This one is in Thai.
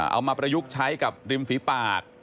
ประยุกต์ใช้กับริมฝีปาก